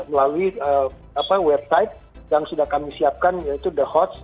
melalui website yang sudah kami siapkan yaitu the hots